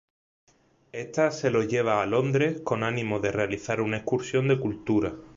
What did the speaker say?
Esta se los lleva a Londres con ánimo de realizar una excursión de cultura.